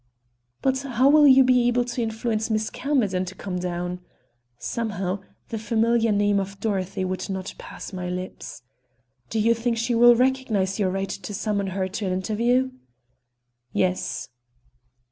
"But how will you be able to influence Miss Camerden to come down?" Somehow, the familiar name of Dorothy would not pass my lips. "Do you think she will recognize your right to summon her to an interview?" "Yes."